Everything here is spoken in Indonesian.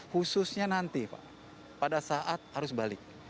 khususnya nanti pak pada saat arus balik